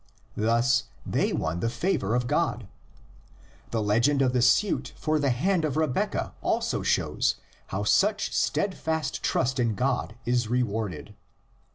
Thus they won the favor of God. The legend of the suit for the hand of Rebeccah also shows how such steadfast trust in God is rewarded.